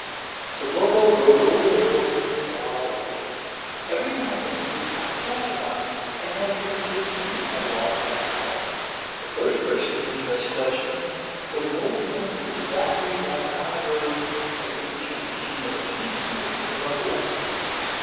So Bobo rode over the hills and far away. Every now and then he would stop a passer by and ask him if he had seen a lost half hour. The first person whom he thus questioned was an old man who was wandering down the high road that leads from the Kingdom of the East to the Kingdom of the West.